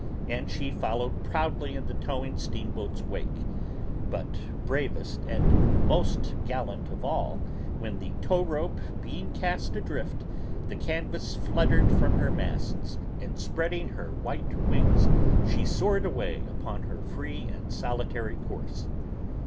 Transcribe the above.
and she followed proudly in the towing steamboat's wake: but bravest and most gallant of all, when the tow rope being cast adrift, the canvas fluttered from her masts, and spreading her white wings she soared away upon her free and solitary course.